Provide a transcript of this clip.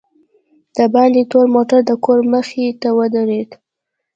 دباندې تور موټر دکور مخې ته ودرېد.